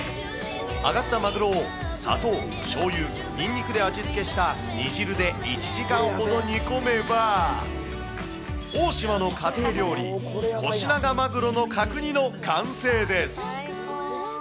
揚がったマグロを砂糖、しょうゆ、にんにくで味付けした煮汁で１時間ほど煮込めば、大島の家庭料理、コシナガマグロの角煮の完成です。